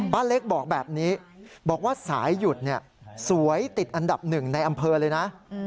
เล็กบอกแบบนี้บอกว่าสายหยุดเนี่ยสวยติดอันดับหนึ่งในอำเภอเลยนะ